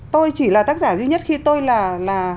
tôi chỉ là tác giả duy nhất khi tôi là